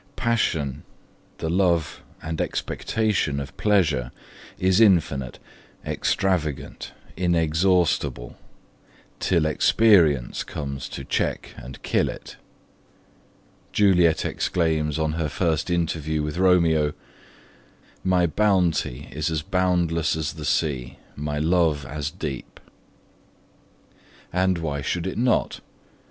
Passion, the love and expectation of pleasure, is infinite, extravagant, inexhaustible, till experience comes to check and kill it. Juliet exclaims on her first interview with Romeo: My bounty is as boundless as the sea, My love as deep. And why should it not?